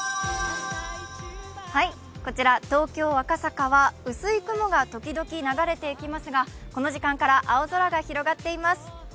こちら、東京・赤坂は薄い雲が時々流れていきますが、この時間から青空が広がっています。